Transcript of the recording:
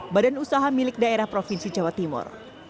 badan usaha milik daerah provinsi jawa timur